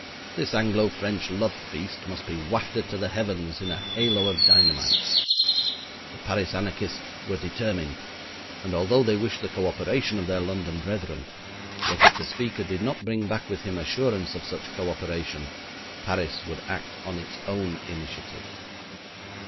This Anglo French love feast must be wafted to the heavens in a halo of dynamite. The Paris anarchists were determined, and although they wished the co operation of their London brethren, yet if the speaker did not bring back with him assurance of such co operation, Paris would act on its own initiative.